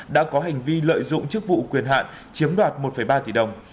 đã có hành vi lợi dụng chức vụ quyền hạn chiếm đoạt một ba tỷ đồng